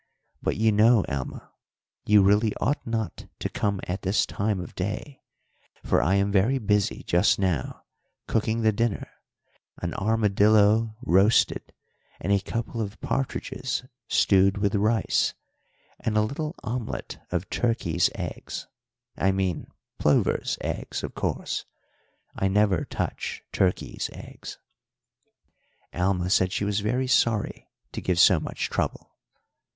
But you know, Alma, you really ought not to come at this time of day, for I am very busy just now cooking the dinner an armadillo roasted and a couple of partridges stewed with rice, and a little omelette of turkeys' eggs. I mean plovers' eggs, of course; I never touch turkeys' eggs.' "Alma said she was very sorry to give so much trouble.